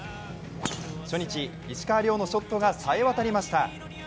初日、石川遼のショットが冴えわたりました。